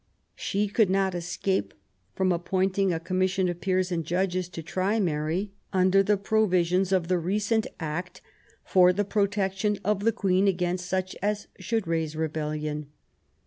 She could not escape from appointing a Commission of peers and judges to try Mary under the provisions of the recent Act for the protection of the Queen against such as should raise rebellion.